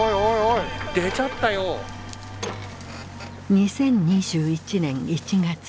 ２０２１年１月。